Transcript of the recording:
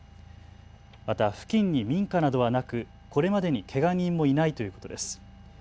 また付近に民家などはなくこれまでにけが人もいないということです。